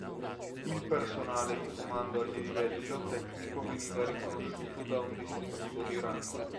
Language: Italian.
Il personale di comando a livello tecnico veniva riconosciuto da un distintivo di rango.